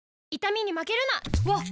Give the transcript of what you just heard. わっ！